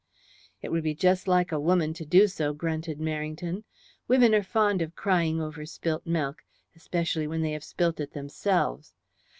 "It would be just like a woman to do so," grunted Merrington. "Women are fond of crying over spilt milk especially when they have spilt it themselves.